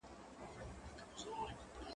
زه منډه نه وهم،